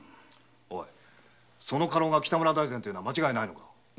その家老が北村大膳というのは間違いないのか？